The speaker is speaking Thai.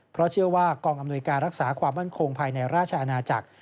เพราะเชื่อว่ากองอำนวยการรักษาความมั่นคงภายในราชอาณาจักร